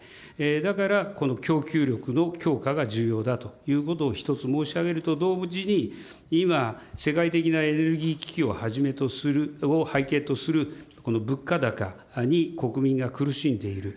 だから、供給力の強化が重要だということを一つ、申し上げると同時に、今、世界的なエネルギー危機をはじめとする、背景とする、この物価高に国民が苦しんでいる。